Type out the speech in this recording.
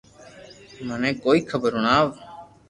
مني ڪوئي خبر ھڻاوُ